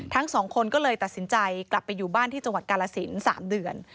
ทั้งสองคนก็เลยตัดสินใจกลับไปอยู่บ้านที่จังหวัดกาลสิน๓เดือน